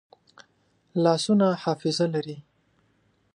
لاسونه حافظه لري